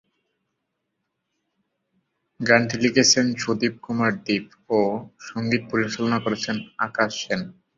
গানটি লিখেছেন সুদীপ কুমার দীপ ও সঙ্গীত পরিচালনা করেছেন আকাশ সেন।